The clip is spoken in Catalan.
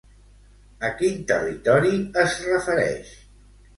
A quin territori es refereix?